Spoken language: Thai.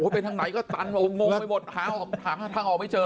ไปทางไหนก็ตันแบบงงไปหมดหาทางออกไม่เจอ